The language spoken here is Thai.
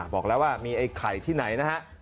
บอกแล้วว่ามีไอ้ไข่ที่ไหนนะฮะ